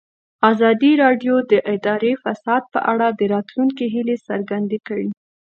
ازادي راډیو د اداري فساد په اړه د راتلونکي هیلې څرګندې کړې.